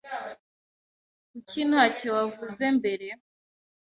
Kuki ntacyo wavuze mbere?